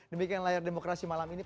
demikian layar demokrasi malam ini